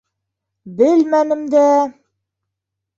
— Белмәнем дә.